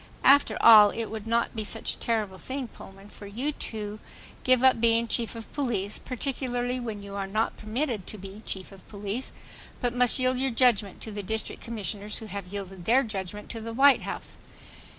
After all it would not be such a terrible thing, Pullman, for you to give up being Chief of Police, particularly when you are not permitted to be chief of police, but must yield your judgment to the district commissioners who have yielded their judgment to the White House.